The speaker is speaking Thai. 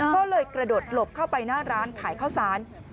ก็เลยกระโดดหลบเข้าไปหน้าร้านขายข้าวสาร